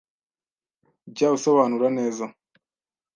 Jya usobanura neza.